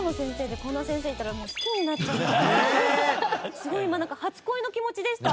すごい今なんか初恋の気持ちでした。